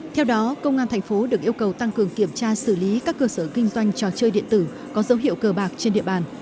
theo đó công an thành phố được yêu cầu tăng cường kiểm tra xử lý các cơ sở kinh doanh trò chơi điện tử có dấu hiệu cờ bạc trên địa bàn